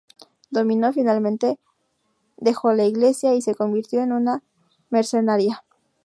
Dominó finalmente dejó la Iglesia y se convirtió en una mercenaria.